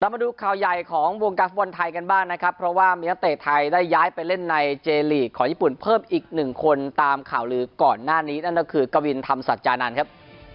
มาดูข่าวใหญ่ของวงการฟุตบอลไทยกันบ้างนะครับเพราะว่ามีนักเตะไทยได้ย้ายไปเล่นในเจลีกของญี่ปุ่นเพิ่มอีกหนึ่งคนตามข่าวลือก่อนหน้านี้นั่นก็คือกวินธรรมสัจจานันทร์ครับ